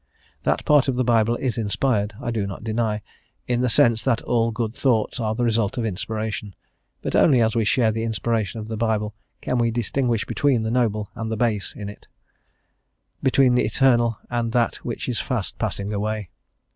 That part of the Bible is inspired, I do not deny, in the sense that all good thoughts are the result of inspiration, but only as we share the inspiration of the Bible can we distinguish between the noble and the base in it, between the eternal and that which is fast passing away.